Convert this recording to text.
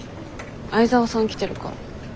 相澤さん来てるから。